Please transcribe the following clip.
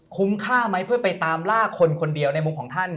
ค่าไหมเพื่อไปตามล่าคนคนเดียวในมุมของท่าน